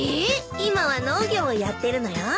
今は農業をやってるのよ。